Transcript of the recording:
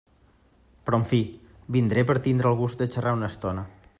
Però en fi, vindré per tindre el gust de xarrar una estona.